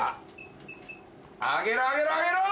上げろ上げろ上げろ。